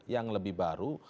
yang lebih baru